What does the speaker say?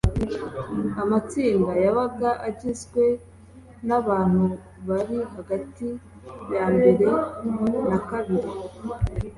Amatsinda yabaga agizwe n abantu bari hagati ya mbere na kabiri